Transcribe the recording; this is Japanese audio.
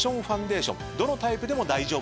どのタイプでも大丈夫だと。